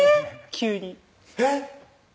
急にえっ？